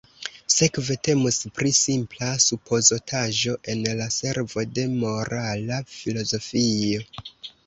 Sekve temus pri simpla supozotaĵo en la servo de morala filozofio.